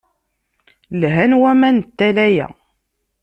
Lhan waman n tala-a.